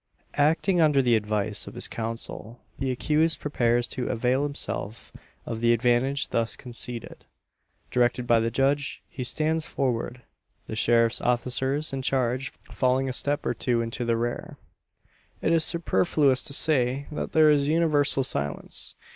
Acting under the advice of his counsel, the accused prepares to avail himself of the advantage thus conceded. Directed by the judge, he stands forward; the sheriff's officers in charge falling a step or two into the rear. It is superfluous to say that there is universal silence.